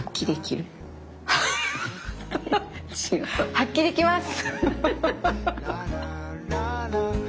発揮できます！